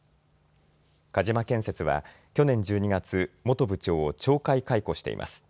鹿島建設は去年１２月、元部長を懲戒解雇しています。